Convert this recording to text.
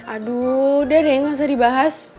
aduh udah deh nggak usah dibahas